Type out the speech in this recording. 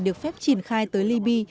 được phép triển khai tới lyby